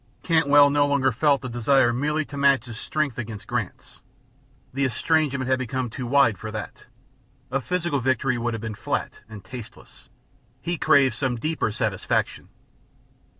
Cantwell no longer felt the desire merely to match his strength against Grant's; the estrangement had become too wide for that; a physical victory would have been flat and tasteless; he craved some deeper satisfaction.